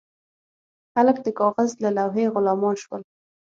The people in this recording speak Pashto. خلک د کاغذ او لوحې غلامان شول.